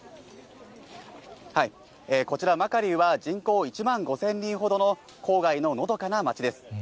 こちら、マカリウは人口１万５０００人ほどの郊外ののどかな街です。